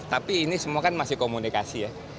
tapi ini semua kan masih komunikasi ya